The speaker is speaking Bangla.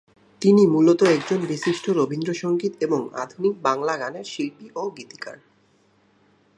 তিনি মূলত একজন বিশিষ্ট রবীন্দ্র সঙ্গীত এবং আধুনিক বাঙলা গানের শিল্পী ও গীতিকার।